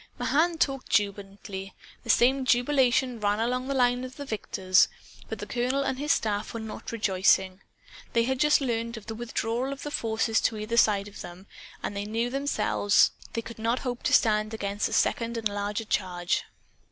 Mahan talked jubilantly. The same jubilation ran all along the line of victors. But the colonel and his staff were not rejoicing. They had just learned of the withdrawal of the forces to either side of them, and they knew they themselves could not hope to stand against a second and larger charge.